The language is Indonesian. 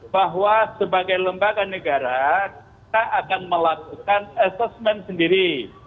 bahwa sebagai lembaga negara kita akan melakukan assessment sendiri